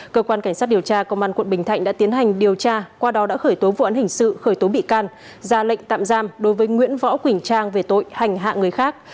cơ quan cảnh sát điều tra công an quận bình thạnh đã tiến hành điều tra qua đó đã khởi tố vụ án hình sự khởi tố bị can ra lệnh tạm giam đối với nguyễn võ quỳnh trang về tội hành hạ người khác